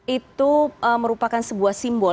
itu merupakan sebuah simbol